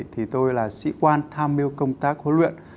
thì tôi là sĩ quan tham mưu công tác huấn luyện